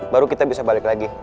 baru kita bisa balik lagi